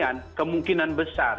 yang kemungkinan besar